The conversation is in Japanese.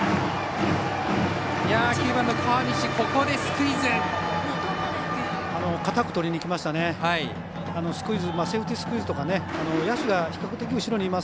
９番、川西がここでスクイズ。